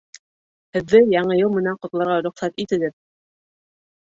Һеҙҙе Яңы йыл менән ҡотларға рөхсәт итегеҙ!